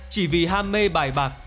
chỉ vì ham mê bài bạc